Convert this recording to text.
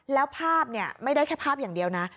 แล้วภาพไม่ได้แค่ภาพอย่างเดียวนะ